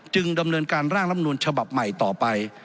จึงดำเนินการร่างรับนูลฉบับใหม่ต่อไป